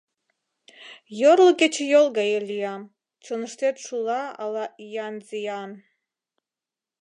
Йорло кечыйол гае лиям — Чоныштет шула ала иян зиян.